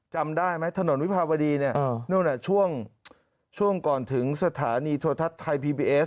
จำได้ไหมถนนวิภาวดีเนี่ยนู่นช่วงก่อนถึงสถานีโทรทัศน์ไทยพีบีเอส